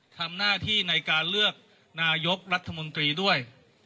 ทำหน้าที่ในการเลือกนายกรัฐมนตรีด้วย